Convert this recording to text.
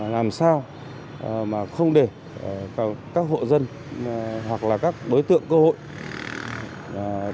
làm sao mà không để các hộ dân hoặc là các đối tượng cơ hội